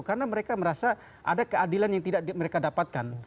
karena mereka merasa ada keadilan yang tidak mereka dapatkan